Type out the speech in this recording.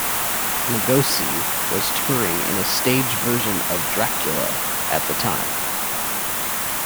Lugosi was touring in a stage version of "Dracula" at the time.